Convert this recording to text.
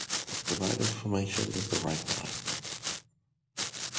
The key is "the right information in the right time".